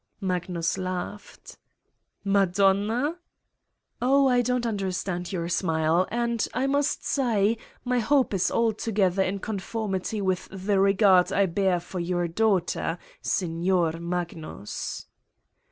Magnus laughed. "Madonna?" "Oh, I don't understand your smile ... and, I must say, my hope is altogether in conformity with the regard I bear for your daughter, Signor Magnus."